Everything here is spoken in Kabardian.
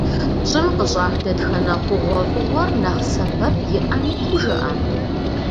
ЩӀым къыщӀах дэтхэнэ хъугъуэфӀыгъуэр нэхъ сэбэп иӀэми пхужыӀэну?